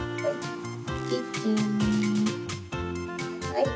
はい。